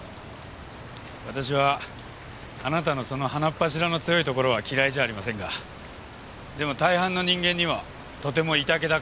私はあなたのその鼻っ柱の強いところは嫌いじゃありませんがでも大半の人間にはとても居丈高で傲慢に見える。